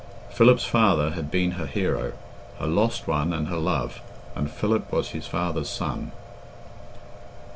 Philip's father had been her hero, her lost one and her love, and Philip was his father's son.